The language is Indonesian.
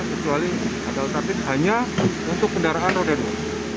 kecuali ada alternatif hanya untuk kendaraan roda dua